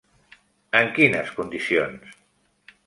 En quines condicions?